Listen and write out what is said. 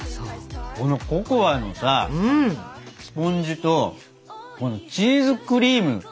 このココアのさスポンジとこのチーズクリーム。